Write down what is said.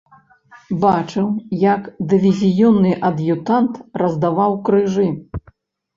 Бачыў, як дывізіённы ад'ютант раздаваў крыжы.